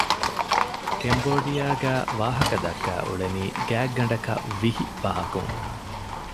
ކެމްބޯޑިއާގައި ވާހަކަ ދައްކަ އުޅެނީ ގާތްގަނޑަކަށް ވިހި ބަހަކުން